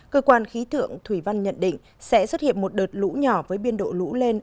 cơ quan khí tượng thủy văn nhận định sẽ xuất hiện một đợt lũ nhỏ với biên độ lũ lên